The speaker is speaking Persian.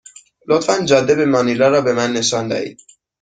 لطفا جاده به مانیلا را به من نشان دهید.